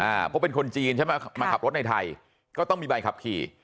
เพราะเป็นคนจีนใช่ไหมมาขับรถในไทยก็ต้องมีใบขับขี่